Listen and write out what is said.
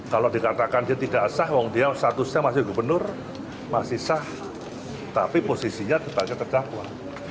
kalau dikatakan dia tidak sah wong dia statusnya masih gubernur masih sah tapi posisinya sebagai terdakwa